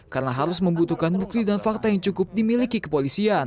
karena harus membutuhkan bukti dan fakta yang cukup dimiliki kepolisian